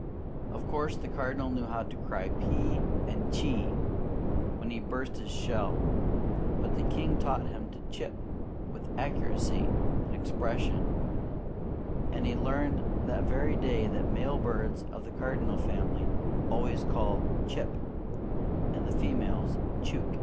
Of course, the Cardinal knew how to cry "Pee" and "Chee" when he burst his shell; but the king taught him to chip with accuracy and expression, and he learned that very day that male birds of the cardinal family always call "Chip," and the females "Chook."